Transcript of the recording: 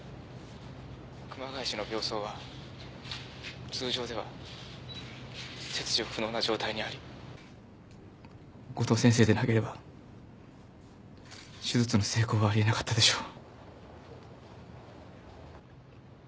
「熊谷氏の病巣は通常では切除不能な状態にあり五島先生でなければ手術の成功はありえなかったでしょう」